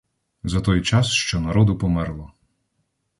За той час що народу померло.